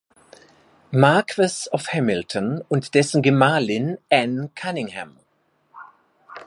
Marquess of Hamilton und dessen Gemahlin Anne Cunningham.